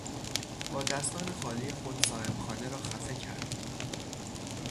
با دستان خالی خود صاحبخانه را خفه کرد.